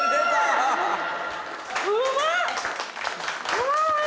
うまい！